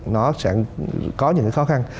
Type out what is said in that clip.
nó sẽ có những cái khó khăn